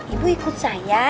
ibu ikut saya